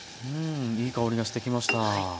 うんいい香りがしてきました。